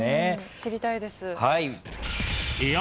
知りたいです。